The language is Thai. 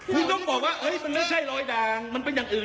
คุณต้องบอกว่ามันไม่ใช่รอยด่างมันเป็นอย่างอื่น